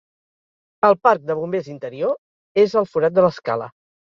El parc de bombers interior és al forat de l'escala.